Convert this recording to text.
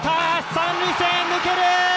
三塁線、抜ける！